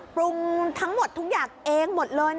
ปรุงทั้งหมดทุกอย่างเองหมดเลย